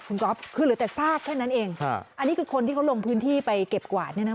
คุณก๊อฟคือเหลือแต่ซากแค่นั้นเองฮะอันนี้คือคนที่เขาลงพื้นที่ไปเก็บกวาดเนี่ยนะ